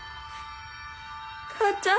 母ちゃん。